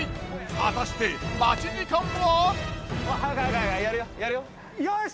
果たして待ち時間は？よし！